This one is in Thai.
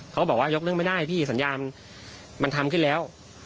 เขาบอกว่ายกเรื่องไม่ได้พี่สัญญาณมันทำขึ้นแล้ว